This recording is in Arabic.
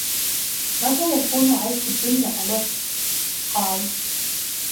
مَتَى يَكُونُ عَيْشُ الدُّنْيَا أَلَذَّ ؟ قَالَ